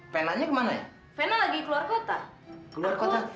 penanya kemana ya vena lagi keluar kota keluar kota